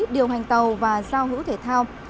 điều hành tàu và giao hữu thể thao